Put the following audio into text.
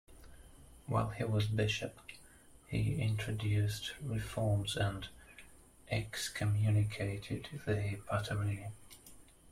While he was bishop, he introduced reforms and excommunicated the Patarini.